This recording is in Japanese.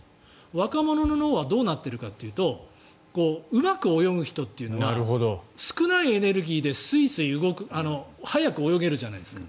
若者の脳はどうなっているかというとうまく泳ぐ人というのは少ないエネルギーですいすい速く泳げるじゃないですか。